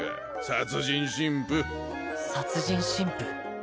殺人神父殺人神父？